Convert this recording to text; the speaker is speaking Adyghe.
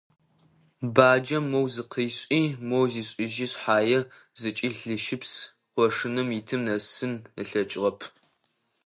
Баджэм моу зыкъишӀи, моу зишӀыжьи шъхьае, зыкӀи лыщыпс къошыным итым нэсын ылъэкӀыгъэп.